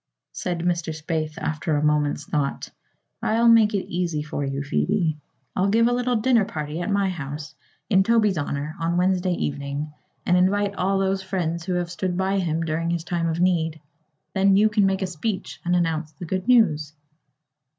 Said Mr. Spaythe, after a moment's thought: "I'll make it easy for you, Phoebe. I'll give a little dinner party at my house, in Toby's honor, on Wednesday evening and invite all those friends who have stood by him during his time of need. Then you can make a speech and announce the good news."